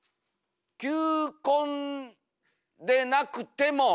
球根でなくても。